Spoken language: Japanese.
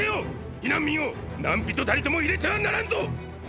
避難民を何人たりとも入れてはならんぞ！！